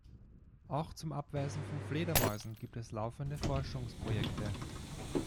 Auch zum Abweisen von Fledermäusen gibt es laufende Forschungsprojekte.